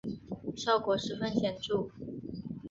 效果十分显著